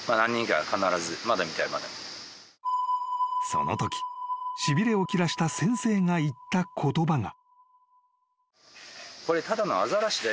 ［そのときしびれを切らした先生が言った言葉が］